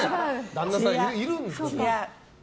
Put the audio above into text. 旦那さんいるんだから。